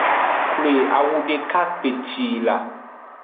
Xwle awu deka kpeci la.